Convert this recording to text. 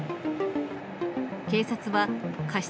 警察は過失